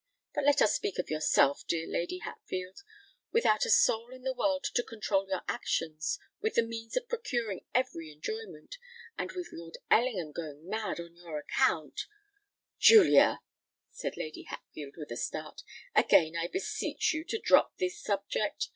But let us speak of yourself, dear Lady Hatfield. Without a soul in the world to control your actions—with the means of procuring every enjoyment—and with Lord Ellingham going mad on your account——" "Julia," said Lady Hatfield, with a start,—"again I beseech you to drop this subject.